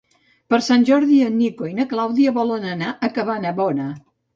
Per Sant Jordi en Nico i na Clàudia volen anar a Cabanabona.